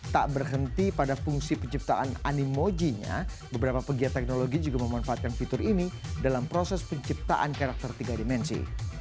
tak berhenti pada fungsi penciptaan animojinya beberapa pegiat teknologi juga memanfaatkan fitur ini dalam proses penciptaan karakter tiga dimensi